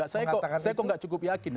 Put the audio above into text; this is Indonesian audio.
saya kok gak cukup yakin